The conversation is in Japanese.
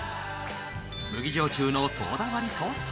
麦焼酎のソーダ割りと共に